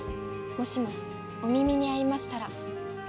もしもお耳に合いましたら。